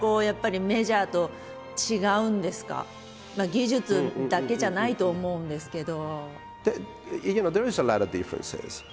技術だけじゃないと思うんですけど。